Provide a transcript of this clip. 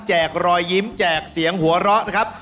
รอยยิ้มแจกเสียงหัวเราะนะครับ